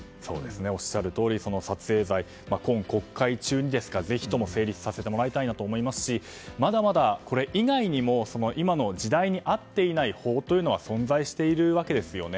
おっしゃるとおりその撮影罪、今国会中にぜひとも成立させてもらいたいなと思いますしまだまだ、これ以外にも今の時代に合っていない法は存在しているわけですよね。